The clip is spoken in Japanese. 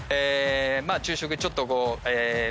昼食ちょっとこう。